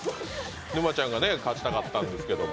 沼ちゃんが勝ちたかったんですけど。